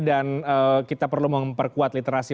dan kita perlu memperkuat literasi